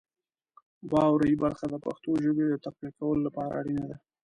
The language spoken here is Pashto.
واورئ برخه د پښتو ژبې د تقویه کولو لپاره اړینه ده.